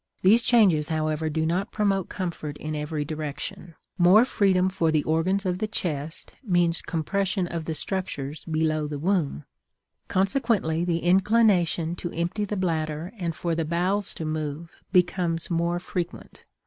These changes, however, do not promote comfort in every direction; more freedom for the organs of the chest means compression of the structures below the womb; consequently, the inclination to empty the bladder and for the bowels to move becomes more frequent.